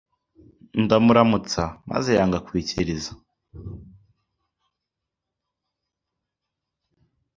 ndamuramutsa maze yanga kwikiriza